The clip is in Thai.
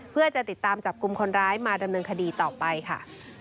เพื่อจะติดตามจับกลุ่มคนร้ายมาดำเนินคดีต่อไปค่ะ